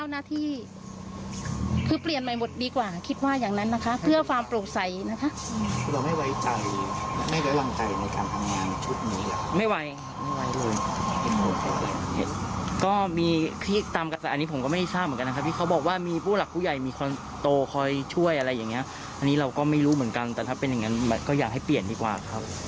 อันนี้เราก็ไม่รู้เหมือนกันแต่ถ้าเป็นอย่างงั้นก็อยากให้เปลี่ยนดีกว่าครับ